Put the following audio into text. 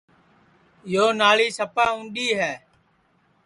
یو ناݪی سپا اُںٚڈؔی ہے